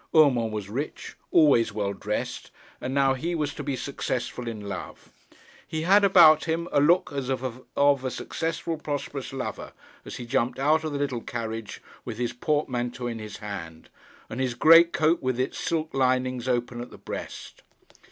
Urmand was rich, always well dressed, and now he was to be successful in love. He had about him a look as of a successful prosperous lover, as he jumped out of the little carriage with his portmanteau in his hand, and his greatcoat with its silk linings open at the breast.